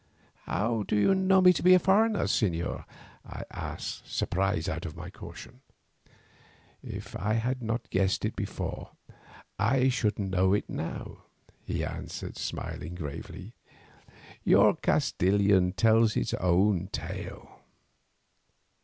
"How do you know me to be a foreigner, señor?" I asked, surprised out of my caution. "If I had not guessed it before, I should know it now," he answered, smiling gravely. "Your Castilian tells its own tale."